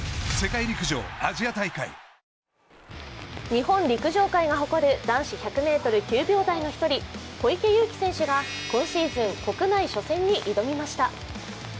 日本陸上界が誇る男子１００ｍ９秒台の１人、小池祐貴選手が今シーズン国内初戦に挑みました。